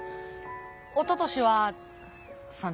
おととしは３着。